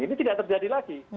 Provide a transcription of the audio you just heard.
ini tidak terjadi lagi